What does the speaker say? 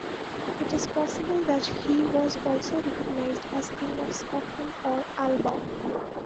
It is possible that he was also recognised as king of Scotland or Alba.